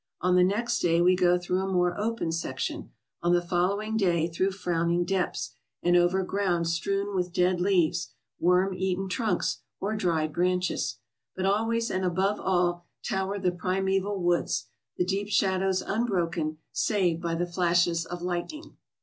On the next day we go through a more open section; on the following day through frowning depths and over ground strewn with dead leaves, worm eaten trunks or dried branches. But always and above all tower the primeval woods, the deep shadows unbroken save by the flashes of lightning.